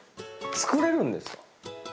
作れるんです。